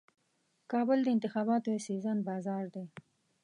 کابل د انتخاباتو د سیزن بازار دی.